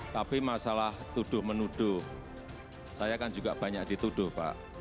tapi masalah tuduh menuduh saya kan juga banyak dituduh pak